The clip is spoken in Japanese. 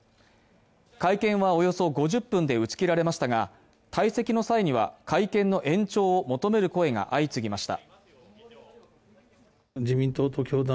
会見はおよそ５０分で打ち切られましたが、退席の際には会見の延長を求める声が相次ぎました。